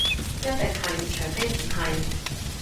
一定係，除非唔係